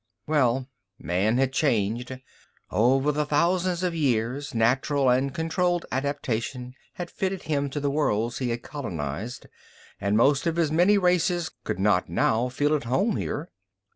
Well man had changed; over the thousands of years, natural and controlled adaptation had fitted him to the worlds he had colonized, and most of his many races could not now feel at home here.